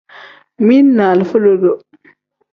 Mili ni alifa lodo.